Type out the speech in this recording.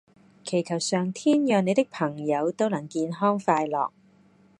祈求上天讓你的朋友都能健康快樂